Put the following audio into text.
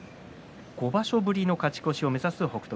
５場所ぶりの勝ち越しを目指す北勝